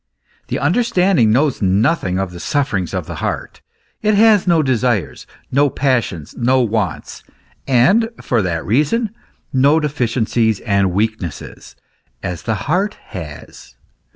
The understanding knows nothing of the sufferings of the heart ; it has no desires, 110 passions, no wants, and for that reason, no deficiencies and weaknesses, as the heart has.